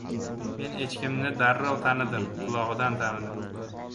Men echkimni darrov tanidim. Qulog‘idan tanidim.